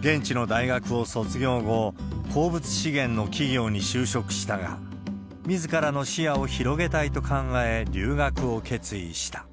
現地の大学を卒業後、鉱物資源の企業に就職したが、みずからの視野を広げたいと考え、留学を決意した。